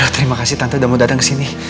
terima kasih tante udah mau datang kesini